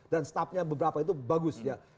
dan staffnya beberapa itu bagus ya